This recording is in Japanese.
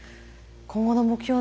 今後の目標